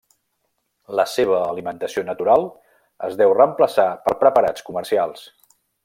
La seva alimentació natural es deu reemplaçar per preparats comercials.